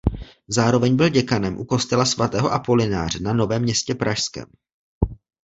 Zároveň byl děkanem u kostela svatého Apolináře na Novém Městě pražském.